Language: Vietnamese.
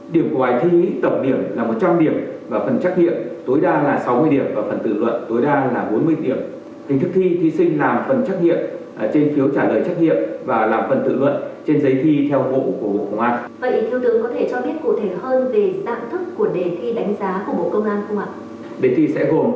mã ca ba phần trắc nghiệm gồm có lĩnh vực khoa học tự nhiên lĩnh vực khoa học xã hội ngôn ngữ trung quốc và phần tự luận là toán